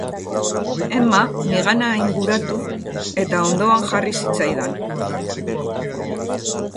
Emma nigana inguratu, eta ondoan jarri zitzaidan.